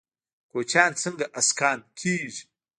کوچیان څنګه اسکان کیږي؟